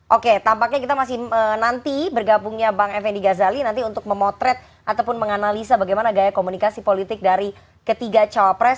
oke tampaknya kita masih nanti bergabungnya bang fnd gazali nanti untuk memotret ataupun menganalisa bagaimana gaya komunikasi politik dari ketiga cawapres